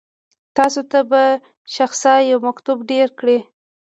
تاسو ته به شخصا یو مکتوب درکړي.